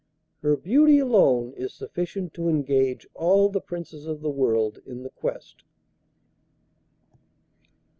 Her beauty alone is sufficient to engage all the Princes of the world in the quest.